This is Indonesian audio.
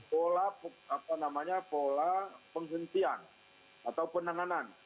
pola apa namanya pola penghentian atau penanganan